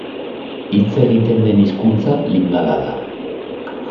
Hitz egiten den hizkuntza Lingala da.